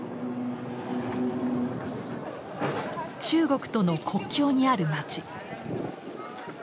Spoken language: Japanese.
中国との国境にある街。